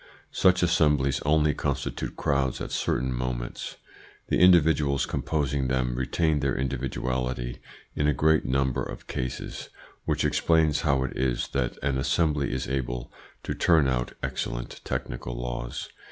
Such assemblies only constitute crowds at certain moments. The individuals composing them retain their individuality in a great number of cases, which explains how it is that an assembly is able to turn out excellent technical laws.